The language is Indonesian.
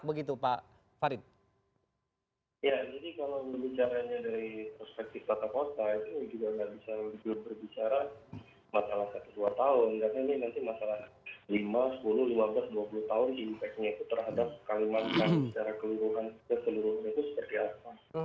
ya jadi kalau bicara dari perspektif tata kota itu juga tidak bisa berbicara masalah satu dua tahun karena ini nanti masalah lima sepuluh lima belas dua puluh tahun diimpeksin terhadap kalimat kan secara keluruhan dan seluruhnya itu seperti apa